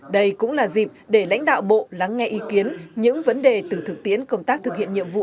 đây cũng là dịp để lãnh đạo bộ lắng nghe ý kiến những vấn đề từ thực tiễn công tác thực hiện nhiệm vụ